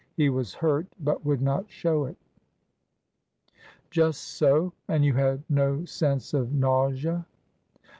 He was hurt, but would not show it Just so. And you had no sense of nausea